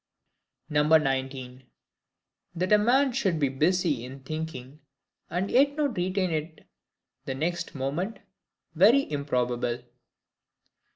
19. That a Man should be busy in Thinking, and yet not retain it the next moment, very improbable.